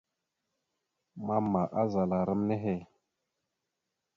Mama azala ram nehe.